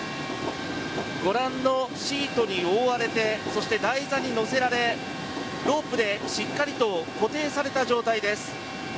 ご覧のシートに覆われてそして、台座に乗せられロープでしっかりと固定された状態です。